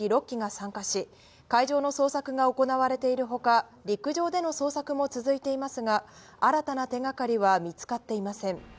今日は船舶２２隻と、航空機６機が参加し、海上の捜索が行われているほか、陸上での捜索も続いていますが、新たな手がかりは見つかっていません。